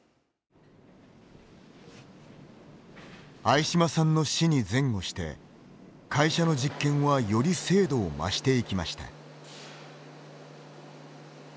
相嶋さんの死に前後して会社の実験はより精度を増していきました。